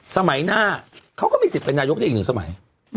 สมัยหน้าเขาก็มีสิทธิ์เป็นนายกได้อีกหนึ่งสมัย